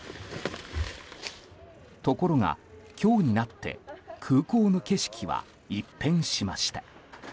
ところが、今日になって空港の景色は一変しました。